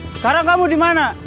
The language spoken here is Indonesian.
sekarang kamu dimana